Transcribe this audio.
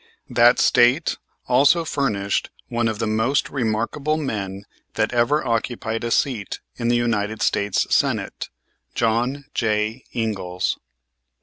That State also furnished one of the most remarkable men that ever occupied a seat in the United States Senate, John J. Ingalls.